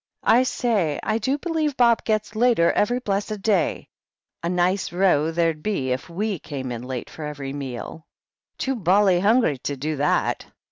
"I say, I do believe Bob gets later every blessed day. A nice row there'd be if we came in late for every meal !" "Too bally hungry to do that